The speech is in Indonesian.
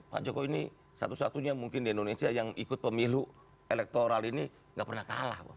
pak jokowi ini satu satunya mungkin di indonesia yang ikut pemilu elektoral ini gak pernah kalah